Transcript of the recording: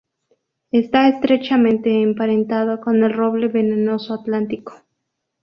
Está estrechamente emparentado con el roble venenoso atlántico.